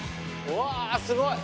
うわすごい！